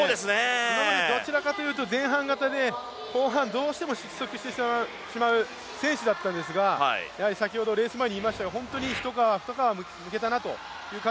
今まで、どちらかというと前半型で後半どうしても失速してしまう選手だったんですが、やはり先ほどレース前に言いましたが一皮もふたかわも向けたなと。